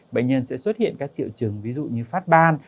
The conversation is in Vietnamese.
bệnh nhân sẽ xuất hiện các triệu chứng ví dụ như phát ban